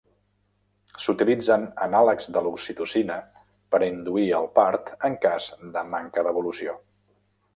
S'utilitzen anàlegs de l'oxitocina per induir el part en cas de manca d'evolució.